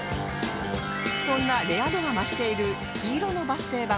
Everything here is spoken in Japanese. そんなレア度が増している黄色のバス停板